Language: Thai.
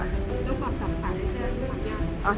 แล้วก็ตัดตัดแล้วตัดยาก